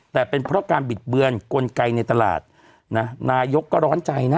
แต่เป็นเพราะการบิดเบือนกลไกในตลาดนะนายกก็ร้อนใจนะ